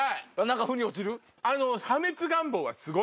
何かふに落ちる？